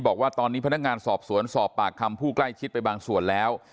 บอกว่าตอนนี้พนักงานสอบสวนสอบปากคำผู้ใกล้ชิดไปบางส่วนแล้ว